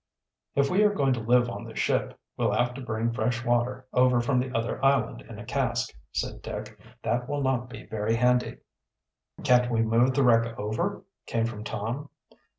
"If we are going to live on the ship, we'll have to bring fresh water over from the other island in a cask," said Dick. "That will not be very handy." "Can't we move the wreck over?" came from Tom.